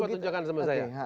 coba tunjukkan sama saya